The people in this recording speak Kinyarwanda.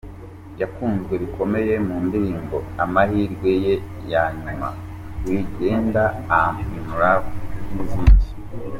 Yakunzwe bikomeye mu ndirimbo ‘Amahirwe ya Nyuma’, ‘Wigenda’, ‘Am In Love’ n’izindi.